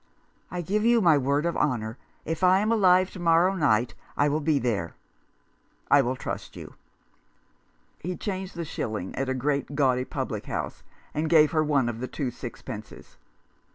I give you my word of honour, if I am alive to morrow night I will be there." " I will trust you." He changed the shilling at a great gaudy public house, and gave her one of the two sixpences.